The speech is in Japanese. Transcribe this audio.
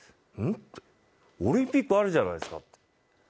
って、オリンピックあるじゃないですかって。